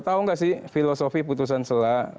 tahu nggak sih filosofi putusan selah